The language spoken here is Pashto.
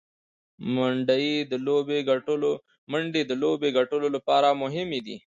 منډې د لوبي ګټلو له پاره مهمي دي.